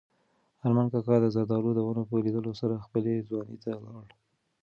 ارمان کاکا د زردالو د ونو په لیدلو سره خپلې ځوانۍ ته لاړ.